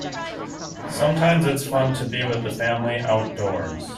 Sometimes it is fun to be with the family outdoors.